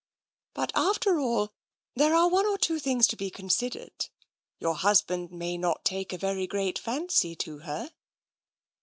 " But after all, there are one or two things 138 TENSION to be considered. Your husband may not take a very great fancy to her."